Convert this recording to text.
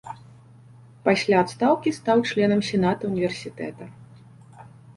Пасля адстаўкі стаў членам сената ўніверсітэта.